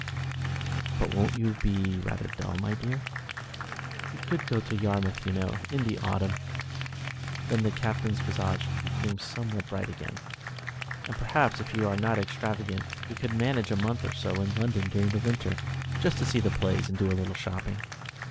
"But won't you be rather dull, my dear?" "We could go to Yarmouth, you know, in the autumn." Then the Captain's visage became somewhat bright again. "And perhaps, if you are not extravagant, we could manage a month or so in London during the winter, just to see the plays and do a little shopping."